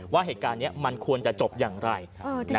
ว่าเหตุการณ์นี้มันควรจะจบอย่างไร